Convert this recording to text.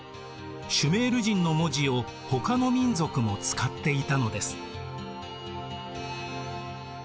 シュメール人の文字をほかの民族も使っていたのです。